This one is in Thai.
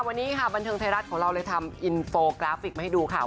วันนี้ค่ะบันเทิงไทยรัฐของเราเลยทำอินโฟกราฟิกมาให้ดูค่ะ